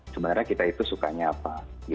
sebenarnya kita itu sukanya apa